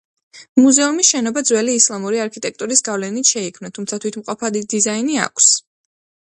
მუზეუმის შენობა ძველი ისლამური არქიტექტურის გავლენით შეიქმნა, თუმცა თვითმყოფადი დიზაინი აქვს.